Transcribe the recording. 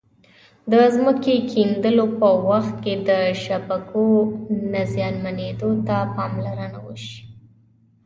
د ځمکې کیندلو په وخت کې د شبکو نه زیانمنېدو ته پاملرنه وشي.